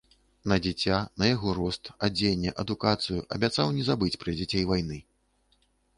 На дзіця, на яго рост, адзенне, адукацыю, абяцаў не забыць пра дзяцей вайны.